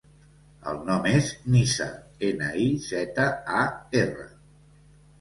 El nom és Nizar: ena, i, zeta, a, erra.